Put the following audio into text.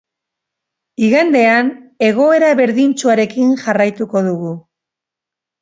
Igandean egoera berdintsuarekin jarraituko dugu.